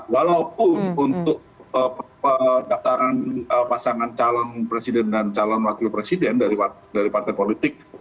walaupun untuk pendaftaran pasangan calon presiden dan calon wakil presiden dari partai politik